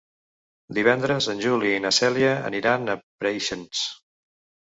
Divendres en Juli i na Cèlia aniran a Preixens.